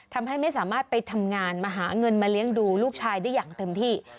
ทำให้ไม่สามารถไปทำงานมาหาเงินมาเลี้ยงดูลูกชายได้อย่างเต็มที่